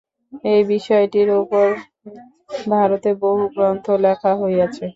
এই বিষয়টির উপর ভারতে বহু গ্রন্থ লেখা হইয়াছে।